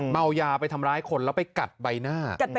เมายาไปทำร้ายคนแล้วไปกัดใบหน้า